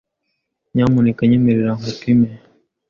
Nyamuneka nyemerera kugupima.